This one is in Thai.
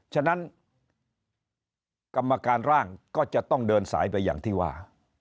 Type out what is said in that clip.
ฉะนั้นกรรมการร่างก็จะต้องเดินสายไปอย่างที่ว่า